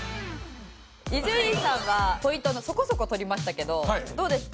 伊集院さんはポイントそこそこ取りましたけどどうですか？